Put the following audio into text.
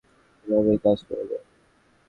এভাবেই কাজ করে যান।